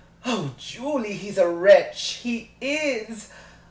Oh, Julie, he's a wretch _he is!